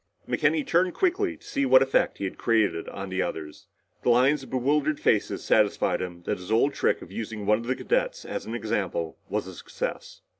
McKenny turned quickly to see what effect he had created on the others. The lines of bewildered faces satisfied him that his old trick of using one of the cadets as an example was a success.